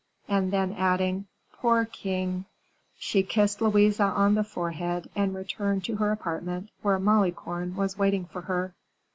and then, adding, "Poor king!" she kissed Louise on the forehead, and returned to her apartment, where Malicorne was waiting for her.